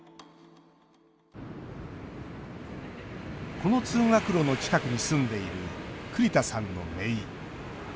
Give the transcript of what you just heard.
この通学路の近くに住んでいる栗田さんの、めい。